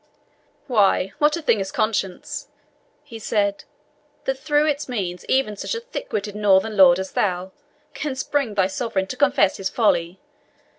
"Why what a thing is conscience," he said, "that through its means even such a thick witted northern lord as thou canst bring thy sovereign to confess his folly!